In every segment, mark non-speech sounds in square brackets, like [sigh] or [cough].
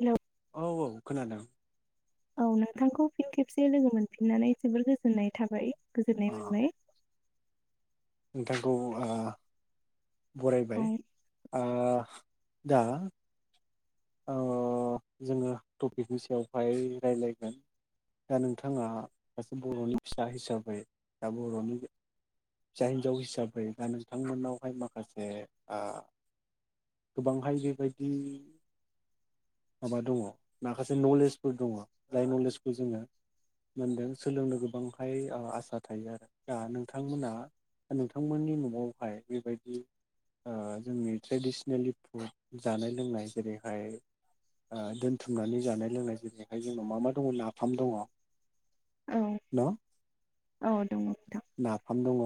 Hello. औ औ खोनादों। औ नोंथांखौ फिन खेबसे लोगो मोनफिननानै जोबोर गोजोननाय थाबाय। गोजोननाय ओ मोनबाय। नोंथांखौ ओ औ बरायबाय ओ दा औ जोङो टपिकनि सायावहाय रायलायगोन दा नोंथाङा सासे बर'नि फिसा हिसाबै दा बर'नि फिसा हिन्जाव हिसाबै दा नोंथांमोनावहाय माखासे ओ गोबांहाय बेबायदि माबा दङ माखासे नलेजफोर दङ जाय नलेजखौ जोङो मोनदों सोलोंनो गोबांहाय ओ आसा थायो आरो दा नोंथांमोना नोंथांमोननि न'आवहाय बेबायदि ओ जोंनि ट्रेडिसनेलि फुड जानाय लोंनाय जेरै ओमफ्राय ओ दोनथुमनानै जानाय लोंनाय जेरैहाय जोंनाव मा मा दङ नाफाम दङ। औ न औ दङ नोंथां नाफाम दङ।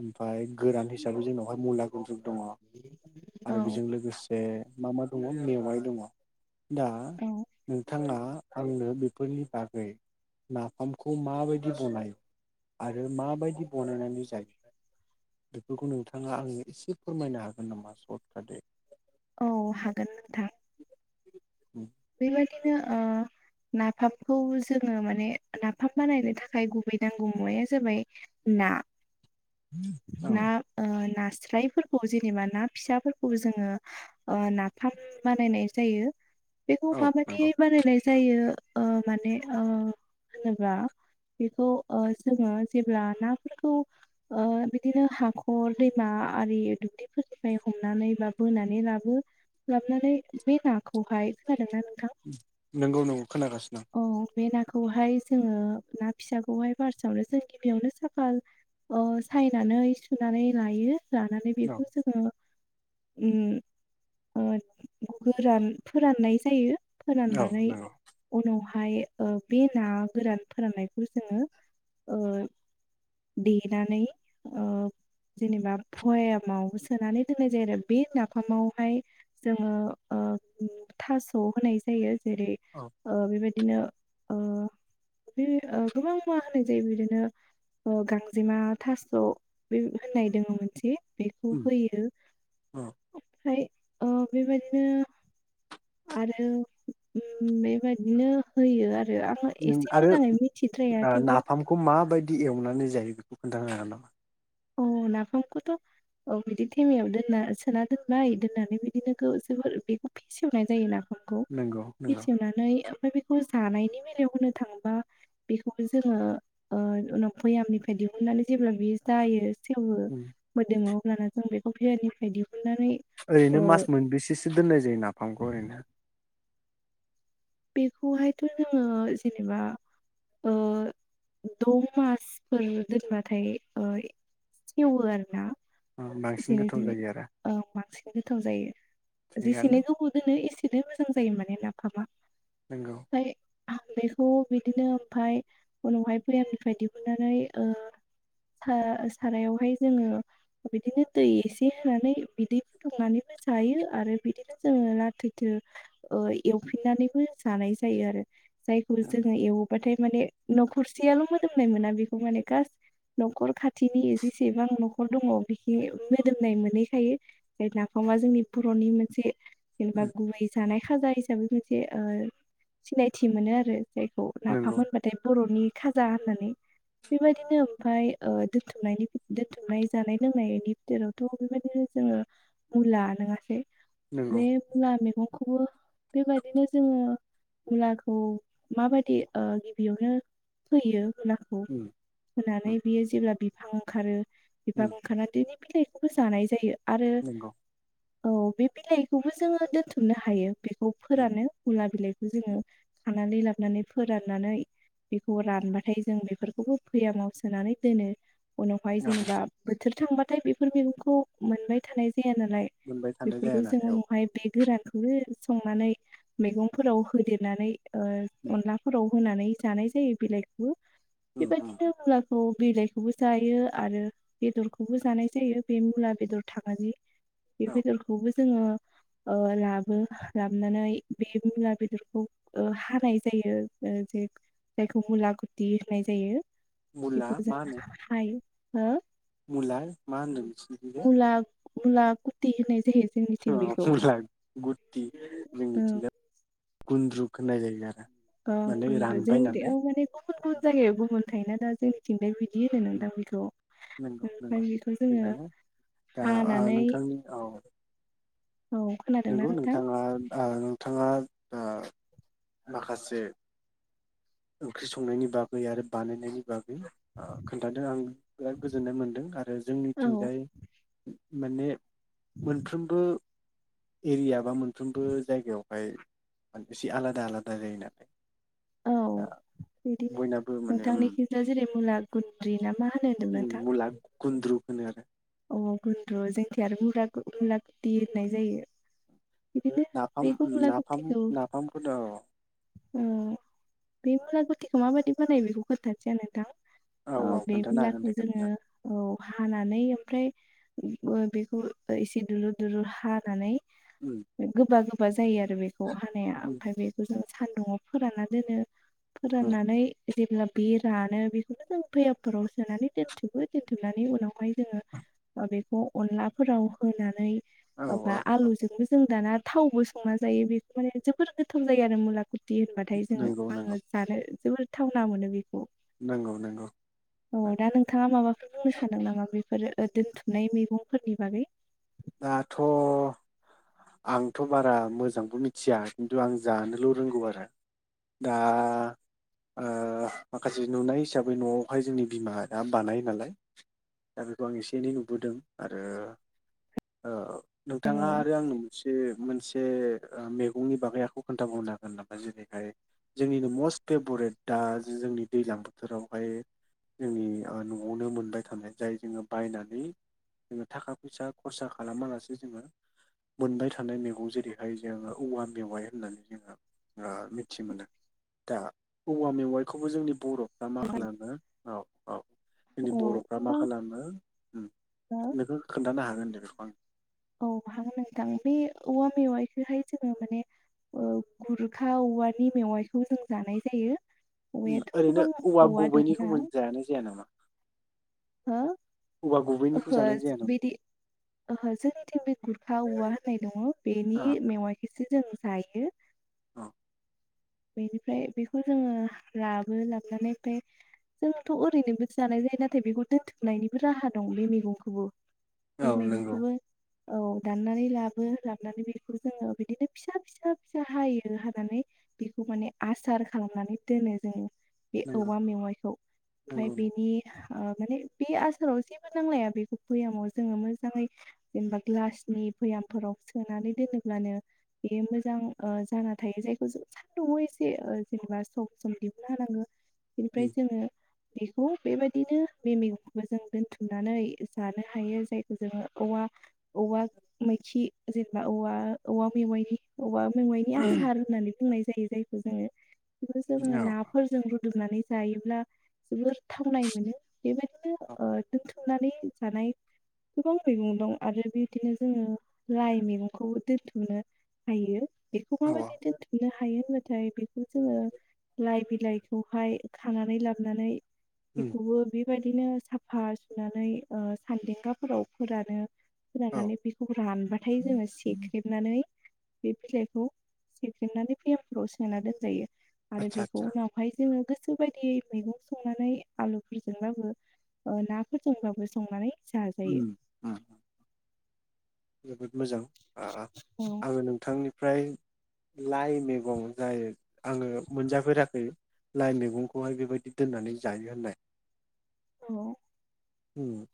ओमफाय गोरान हिसाबै जोंनावहाय मुला गुन्द्रुग दङ आरो औ बेजों लोगोसे बे मा मा दङ मेवाइ दङ। दा नों नोंथाङा आंनो बेफोरनि बागै नाफामखौ माबायदि बनायो आरो माबायदि बनायनानै जायो बेफोरखौ नोंथाङा आङो एसे फोरमायनो हागोन नामा सर्ट काटै? औ हागोन नोंथां। बेबायदिनो ओ नाफामखौ जोङो माने नाफाम बानायनो थाखाय गुबै नांगौ मुवाया जाबाय ना औ ना ओ ना नास्रायफोरखौ जेनेबा ना फिसाफोरखौ जोङो ओ नाफाम बानायनाय जायो। बेखौ औ नंगौ माबायदियै बानायनाय जायो ओ माने ओ होनोब्ला बेखौ ओ जोङो जेब्ला नाफोरखौ ओ बिदिनो हाखर दैमा आरि दुब्लिफोरनिफ्राय हमनानै बा बोनानै लाबो लाबोनानै बे नाखौहाय खोनादों ना नों नोंगौ नोंगौ खोनागासिनो आं औ बे नाखौहाय जोङो ना फिसाखौहाय फार्सेआवनो जों गिबियावनो साफा ओ सायनानै सुनानै लायो। लानानै आं बेखौ जोङो ओम ओ गोरान फोराननाय जा जायो। औ फोराननानै नंगौ उनाव ओमफ्राय ओ बे ना गोरान फोराननायखौ जोङो ओ देनानै ओ जेनेबा भयामाव सोनानै दोननाय जायो आरो बे नाफामावहाय जोङो ओ थस' खौ होनाय जायो। जेरै औ ओ बिबाय बिदिनो ओ बे गोबां मुवा होननाय जायो बिदिनो ओ गांजेमा थास' बे होननाय दङ मोनसे बेखौ उम होयो औ ओमफ्राय ओ बेबायदिनो आरो ओम बेबायदिनो होयो आरो। आङो नों एसे आरो मोजाङै मिथिद्राया ओ थेवबो नाफामखौ माबायदि एवनानै जायो बेखौ खोनन्थानो हागा नामा? अ नाफामखौथ' औ बिदि थेमायाव दोनना सोना दोनबाय दोननानै बिदिनो जोबोर बेखौ फेसेवनाय जायो ना खौ नंगौ नंगौ बेसेवनानै ओमफ्राय बेखौ जानायनि बेलायाव होनो थाङोबा बेखौ जोङो उनाव भैयामनिफ्राय दिहुननानै जेब्ला बेयो जायो। सेवो उम मोदोमो [unintelligible] ओरैनो ओ मास मोनबैसेसो दोननाय जायो नाफामखौ ओरैनो? बेखौहायथ जोङो जेनेबा ओ द मासफोर दोनबाथाय सेवो आरो ना ओ बांसिन एसेनो गोथाव दोनो जायो आरो ओ बांसिन गोथाव जायो थिगानो जेसेनि गोबाव दोनो एसे बिनो मोजां जायो माने नाफामा नोंंगौ ओमफ्राय आं बेखौ बिदिनो ओमफ्राय उनावहाय भैयामनिफ्राय दिहुननानै ओ सा सारायावहाय जोङो बिदिनो दै एसे होनानै बिदै फुदुंनानैबो जायो आरो बिदिनो जोङो लाथोथो एवफिननानैबो जानाय जायो आरो जायखौ उम जोंओ एवो बाथाय माने नखरसेयाल मोदोमनाय मोना बेखौ माने गास नखर खाथिनि जेसेबां नखर दङ बेखि मोदोमनाय मोनहैखायो नाफामा जोंनि बरनि मोनसे जेनबा उम गुवैजानाय खाजा हिसाबै मोनसे ओ सिनायथि मोनो आरो जायखौ नाफाम नंगौ होनबाथाय बरनि खाजा होननानै बेबायदिनो ओमफाय ओ दोनथुमनायनि दोनथुमनाय जानाय लोंनायनि बिथोरावथ बेबायदिनो जोङो मुला नङासै? नंगौ बे मुला मेगं खौबो बेबायदिनो जोङो मुलाखौ माबादि ओ गिबियावनो फोयो। मुलाखौ उम होनानै उम बियो जेब्ला बि हा ओंखारो बिफां उम ओंखारना [unintelligible] फिथाइखौबो जानाय जायो। आरो नंगौ औ बे बिलाइखौबो जोङो दोनथुमनो हायो। बेखौ उम फोरानो मुला बिलाइ जोङो खानानै लाबोनानै फोराननानै बेखौ रानबाथाय जों बेफोरखौबो भैयामाव सोनानै दोनो। उनावहाय औ जेनेबा बोथोर थांबाथाय बेफोर मैगंखौ मोनबाय थानाय जाया नालाय मोनबाय थानाय बेफोरखौ जाया जों नालाय औ उनावहाय बे गोरान [unintelligible] संनानै मैगंफोराव होदेरनानै ओ उम अनलाफोराव होनानै जानाय जायो बिलाइखौबो। उम बेबायदिनो उम मुलाखौ बिलाइखौबो जायो आरो बेदरखौबो जानाय जायो बे मुला बेदर [unintelligible] बि औ बेदरखौबौ जोङो अ लाबो लाबोनानै बे मुला बेदर खौ ओ हानाय जायो ओ जे जायखौ मुला गुति होननाय जायो। मुला बेखौ जों हाय हो? [unintelligible] मा होनो [unintelligible] मुला मुला [unintelligible] अ जोंनिथिं बेखौ मुला गुति ओं [unintelligible] गुन्द्रुक होननाय जायो [unintelligible] औ [unintelligible] अ माने रानबाय नालाय माने गुबुन गुबुन जायगायाव गुबुन [unintelligible] दा जोंथिंजायबो [unintelligible] [unintelligible] होनो उम दा बेखौ नंगौ नंगौ ओमफ्राय बेखौ जोङो थिगानो दा ओ हानानै नोंथांनि औ औ खोनादोंना नंगौ नोंथां नोंथाङा नोंथाङा दा माखासे ओंख्रि संनायनि बागै आरो बानायनायनि बागै खोन्थादों आं बिराद गोजोननाय मोन्दों आरो आरो औ जोंनिथिंजाय माने मोनफ्रोमबो एरिया बा मोन मोनफ्रोमबो जायगायाव ओय एसे आलादा आलादा जायो ना औ बिदिनो माने उम नोंथांनिखिजाया जेरै मुला गुन्द्रि ना मा होनो होनदों नोंथां मुला गुन्द्रु होनो आरो अ गन्द्रु जोंखिया आरो मुला मुला दिरनाय जायो बिदिनो नाफाम बेखौ मुला नाफाम गुथिखौ नाफामखौथ मा बायदि बानायो बेखौ खोन्थानोसै आं नोंथां औ औ बे खोन्थानो हागोन मुलाखौ दे जोङो खोन्थानो औ हानानै ओमफ्राय बेखौ एसे दुलुर दुलुर हानानै हागोन गोबा गोबा जायो आरो बेखौ हानाया उम ओमफ्राय बेखौ जों सान्दुङआव फोरानना दोनो उम फोराननानै जेब्ला बे रानो बेखौनो जों फैयामफोराव सोनानै दोन्थुबो दोनथुमनानै उनावहाय जोङो ओ बेखौ अनलाफोराव होनानै औ ओमफ्राय औ औ आलुजोंबो जों दाना थावबो संना जायो बेखौ माने जोबोर गोथाव जायो आरो मुला कुरथि होनबाथाय जोङो नंगौ नंगौ आङो जानो जोबोर थावना मोनो बेखौ। नंगौ नंगौ औ दा नोंथाङा माबाफोर बुंनो सानदों नामा बे फोर दोन्थुमनाय मेगंफोरनि बागै? दाथ' आंथ' बारा मोजांबो मिथिया खिन्थु आं जानोल' रोंगौ आरो। दा माखासे नुनाय हिसाबै न'आवहाय जोंनि बिमा या बानायो नालाय दा बेखौ आं एसे एनै नुबोदों। आरो ओ औ। औ नोंथाङा आरो आंनो मोनसे मोनसे ओ मेगंनि बागै आखौ खोन्थाबावनो हागोन नामा जेरैहाय जोंनिनो मस्ट फेभरेट दा जोंनि दैज्लां बोथोरावहाय जोंनि ओ न'आवनो मोनबाय थानाय जाय जोङो बायनानै जोङो थाखा फैसा खरसा खालामालासे जोङो मोनबाय थानाय मैगं जेरैहाय जोङो औवा मेवाइ होननानै जोङो ओ मिथि मोनो। दा औवा मेवाइखौबो जोंनि बर' फ्रा मा खालामो औ औ। जोंनि औ बर'फ्रा मा औवा खालामो उम नोंखो खोन्थानो हागोन। औ हागोन नोंथां। बे औवा मेवाइखौहाय जोङो माने ओ गुरखा औवानि मेवाइखौ जों जानाय जायो। औवायाथ' ओरैनो गोबां औवा दंना गुबैनिखौ मोन जानाय जाया नामा? हो, औवा गुबैनिखौ ओहो जानाय जाया नामा? बिदि ओहो जोंनिथिं बे गुरखा औवा होननाय दङ बेनि अ मेवाइखिसो जों जायो। औ। बेनिफ्राय बेखौ जोङो लाबो लाबनानै ओमफ्राय जोङथ' ओरैनोबोथ जानाय जायो। नाथाय बेखौ दोन्थोबनायनिबो राहा दं बे मेगंखोबो। बे औ नंगौ मेगंखोबो औ दाननानै लाबो लाबनानै बेखौ जोङो बिदिनो फिसा फिसा फिसा हायो हानानै बेखौ माने आसार खालामनानै दोनो जोङो। बे नंगौ औवा मेवाइखौ। ओमफ्राय नंगौ बेनि ओ माने बे आसाराव जेबो नांलाया बेखौ फैयामाव जोङो मोजाङै जेनेबा ग्लासनि भैयामफोराव सोनानै दोनोब्लानो बे मोजां ओ जाना थायो। जायखौ जों सान्दुंआव एसे ओ जेनेबा सम सम दिहुननो हानांगो। बिनिफ्राय उम जोङो बेखौ बेबायदिनो बे मैगंखौबो जों दोन्थुमनानै जानो हायो जायखौ जोङो औवा औवा मैखि जेनेबा औ औवा मेवाइनि औवा मेवाइनि आसार होननानै बुंनाय जायो। जायखौ जोङो बेखौथ' जोङो औ नाफोरजोंबो फुदुंनानै जायोब्ला जोबोर थावनाय मोनो। बेबादिनो औ ओ दोन्थुम थुमनानै जानाय गोबां मैगं दं आरो बिदिनो जोङो लाय मैगंखौबो दोनथुमनो हायो। बेखौ औ औ माबायदि दोनथुमनो हायो होनबाथाय बेखौ जोङो लाइ बिलाइखौहाय खानानै लाबोनानै। उम बिखौबो बिब बेबायदिनो साफा सुनानै ओ सान्देंगाफोराव फोरानो। औ फोरानानै बेखौ रानबाथाय जोङो सेख्रेबनानै। बे बिलाइखौ सेफ्लेमनानै बैयामफ्राव सोना दोनजायो। आरो आदसा बेखौ आदसा उनावहाय जोङो गोस सो बायदियै मैगं संनानै आलु बिथ जोंबाबो ओ नाफोरजोंबाबो संनानै। उम जाजायो ओ। जोबोद मोजां। आ आ औ आङो नोंथांनि। फ्राय लाइ मैगं जायो आङो मोनजाफेराखै लाइ मैगंखौहाय बेबायदि दोननानै जायो होननाय, औ ओम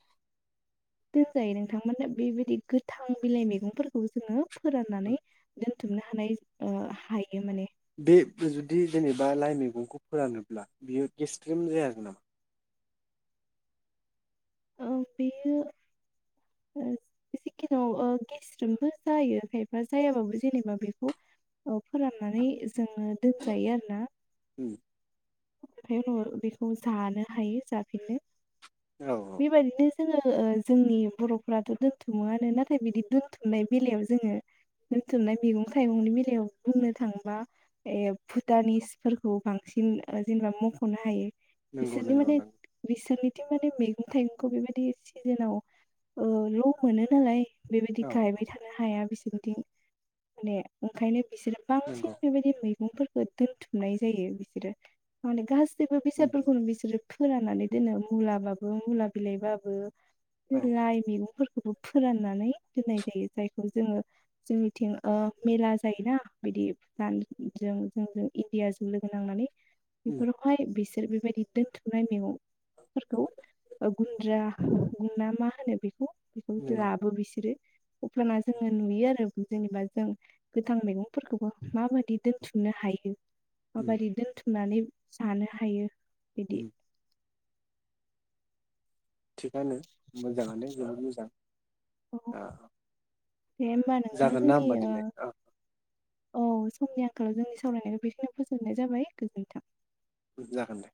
दोनजायो नोंथांमोनो बेबायदि गोथां बिलाइ मैगंफोरखौबो जोङो फोराननानै दोन बुथुमनो हानाय ओ हायो माने, बे जुदि जेनेबा लाइ मैगंखौ फोरानोब्ला बियो गेस्रेम जाया नामा? औ बेयो ओ जेखन' ओ गेस्रोमबो जायो। खायफा जायाबाबो जेनेबा बेखौ फोराननानै जोङो दोनजायो आरो ना, ओम ओमफ्राय उनाव बेखौ जानो हायो जाफिनो, औ औ बेबायदिनो जोङो ओ जोंनि बर'फोराथ' दोनथुमोआनो नाथाय बिदि दोनथुमनाय बेलायाव जोङो दोनथुमनाय मैगं थाइगंनि बेलायाव बुंनो थाङोबा ए भुटानिसफोरखौ बांसिन ओ जेनेबा मख'नो हायो। नंगौ बिसोरनि नंगौ माने नंगौ बिनिथिं माने मै मैगं थाइगंखौ बेबायदि सिजोनाव ओ ल' मोनो नालाय। बेबायदि औ गायबाय औ थानो हाया बिसोर, बिथिं माने ओंखायनो बिसोरो बांसिन नंगौ बेबायदि मैगंफोर दोनथुमनाय जायो बिसोरो माने गा गासिबो उम बेसादफोरखौनो बिसोरो फोरानानै दोनो मुलाबाबो बो मुला बिलाइबाबो औ लाइ मेगंफोर फोराननानै दोननाय जायो, जायखौ जोङो जोंनिथिं ओ मेला जायोना बिदि जों जों इण्डियाजों लोगो नांनानै, उम बेफोरफाय बिस [unintelligible] गुन्द्रा गुनना मा होनो बेखौ? नंगौ [unintelligible] अबफाना जोङो नुयो आरो ओमफाय जेनेबा जों गोथां मैगंफोरखौबो माबायदि दोनथुमनो हायो। उम माबादि दोनथुम [unintelligible] सानो हायो। बिदि उम सानो मोजाङानो बिराद मोजां। औ आ दे होमबा नोंथां जागोन ना जोंनि होमबा दिनै? ओ औ समनि आंखालाव जोंनि सावरायनायखौ बेखिनो फोजोबनाय जाबाय। गोजोन्थों। जागोन दे